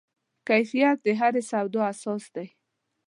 کیفیت د هرې سودا اساس دی.